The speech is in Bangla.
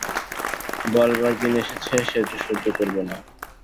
বলবার দিন এসেছে যে সহ্য করব না।